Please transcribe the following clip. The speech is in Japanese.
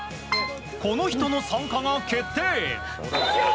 この人の参加が決定。